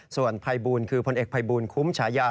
ส่วนภัยบูลคือพลเอกภัยบูลคุ้มฉายา